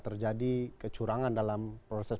terjadi kecurangan dalam proses